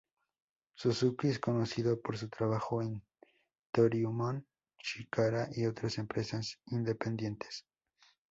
Suzuki es conocido por su trabajo en Toryumon, Chikara y otras empresas independientes.